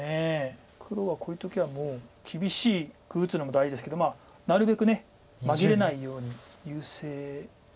黒はこういう時はもう厳しく打つのも大事ですけどなるべく紛れないように優勢ですから。